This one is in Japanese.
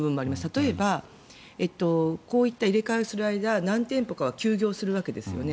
例えば、こういった入れ替えをする間何店舗かは休業するわけですよね。